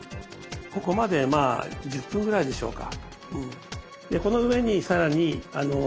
ここまでまあ１０分ぐらいでしょうか。